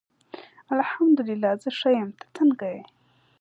الحمد الله زه ښه یم ته څنګه یی